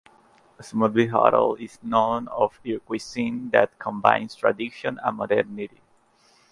The Smallville Hotel is known for its cuisine that combines tradition and modernity.